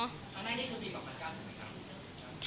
ครั้งแรกนี้คือปี๒๐๑๙มั้ยคะ